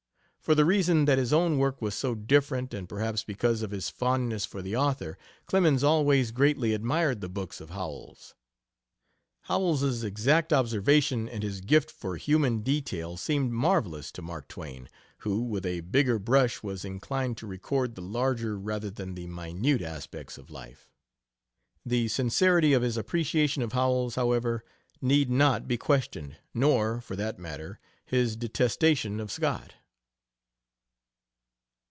For the reason that his own work was so different, and perhaps because of his fondness for the author, Clemens always greatly admired the books of Howells. Howells's exact observation and his gift for human detail seemed marvelous to Mark Twain, who with a bigger brush was inclined to record the larger rather than the minute aspects of life. The sincerity of his appreciation of Howells, however, need not be questioned, nor, for that matter, his detestation of Scott.